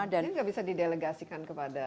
jadi tidak bisa di delegasikan kepada